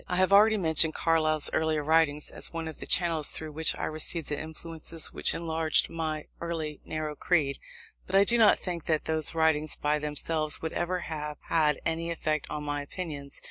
I have already mentioned Carlyle's earlier writings as one of the channels through which I received the influences which enlarged my early narrow creed; but I do not think that those writings, by themselves, would ever have had any effect on my opinions.